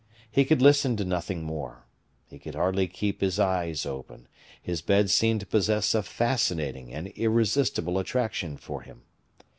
He could listen to nothing more, he could hardly keep his eyes open; his bed seemed to possess a fascinating and irresistible attraction for him.